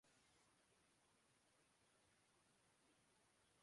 چار کو بیٹھنے کی جگہ مل گئی